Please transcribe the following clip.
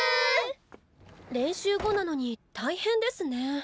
練習後なのに大変ですね。